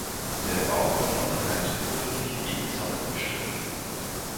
Der Bau und Unterhalt wurde durch Wegzoll bestritten.